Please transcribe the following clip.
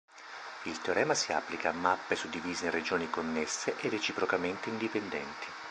Il teorema si applica a mappe suddivise in regioni connesse e reciprocamente indipendenti.